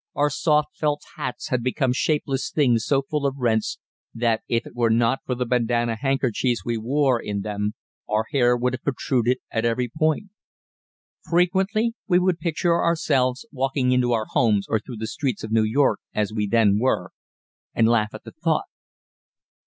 Our soft felt hats had become shapeless things so full of rents that if it were not for the bandanna handkerchiefs we wore in them our hair would have protruded at every point. Frequently we would picture ourselves walking into our homes or through the streets of New York as we then were, and laugh at the thought.